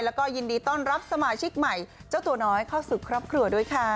แล้วก็ยินดีต้อนรับสมาชิกใหม่เจ้าตัวน้อยเข้าสู่ครอบครัวด้วยค่ะ